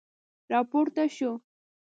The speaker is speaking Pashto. را پورته شو.